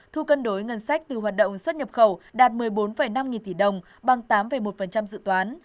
thu cân đối ngân sách từ hoạt động xuất nhập khẩu đạt một mươi bốn năm nghìn tỷ đồng bằng tám một dự toán